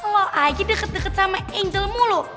oh aja deket deket sama angel mulu